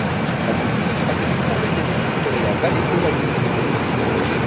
La position stratégique permettait de contrôler la vallée de la dite rivière.